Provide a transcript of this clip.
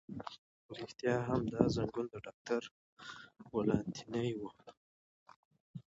رښتیا هم، دا زنګون د ډاکټر ولانتیني و.